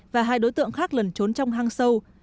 và hai đối tượng khác lần trốn trong hang sâu